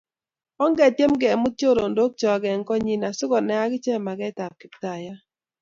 Ongetyem kemut chorondok chok eng konyi asikonai akiche makeet ab Kiptayat